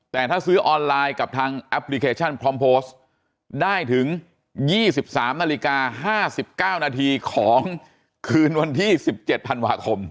แต่ถ้าซื้อออนไลน์กับทางแอปพลิเคชันพร้อมโพสต์ได้ถึง๒๓นาฬิกา๕๙นาทีของคืนวันที่๑๗ธันวาคม